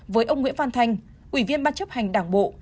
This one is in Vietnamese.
với ông nguyễn phan thanh ủy viên ban chấp hành đảng bộ